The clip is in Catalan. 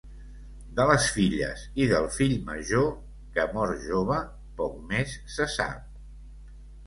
De les filles i del fill major, que mor jove, poc més se sap.